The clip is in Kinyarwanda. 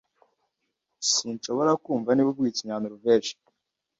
Sinshobora kumva niba uvuga ikinyanoruveje.